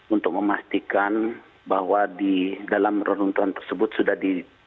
untuk memastikan bahwa di dalam reruntuhan tersebut sudah di